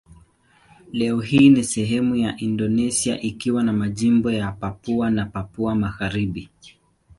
Leo hii ni sehemu ya Indonesia ikiwa ni majimbo ya Papua na Papua Magharibi.